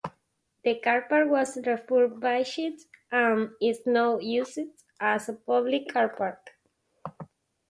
The carpark was refurbished and is now used as a public carpark.